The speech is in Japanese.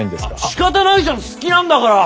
しかたないじゃん好きなんだから。